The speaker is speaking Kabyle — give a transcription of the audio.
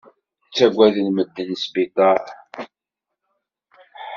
Ttagaden medden sbiṭar.